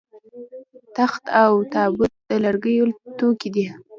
تخت او تابوت د لرګیو توکي دي